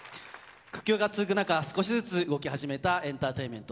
苦境が続く中、少しずつ動き始めたエンターテインメント。